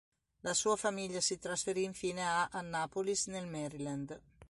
La sua famiglia si trasferì infine a Annapolis nel Maryland.